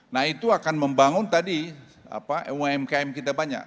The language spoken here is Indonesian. nah itu akan membangun tadi umkm kita banyak